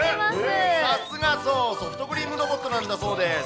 さすが、そう、ソフトクリームロボットなんだそうです。